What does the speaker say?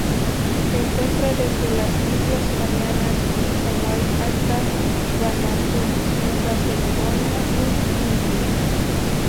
Se encuentra desde las Islas Marianas y Hawái hasta Vanuatu, Nueva Caledonia y Fiyi.